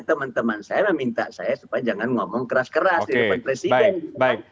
teman teman saya meminta saya supaya jangan ngomong keras keras di depan presiden